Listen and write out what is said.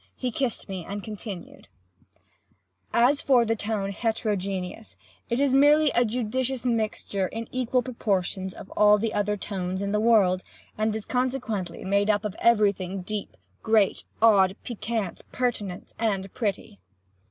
He kissed me and continued: "As for the tone heterogeneous, it is merely a judicious mixture, in equal proportions, of all the other tones in the world, and is consequently made up of every thing deep, great, odd, piquant, pertinent, and pretty.